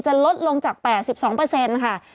ลดลงจาก๘๒ค่ะ